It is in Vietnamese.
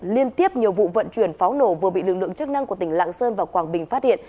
liên tiếp nhiều vụ vận chuyển pháo nổ vừa bị lực lượng chức năng của tỉnh lạng sơn và quảng bình phát hiện